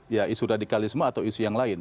ya isu radikalisme atau isu yang lain